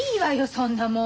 そんなもう。